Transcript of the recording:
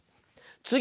つぎ！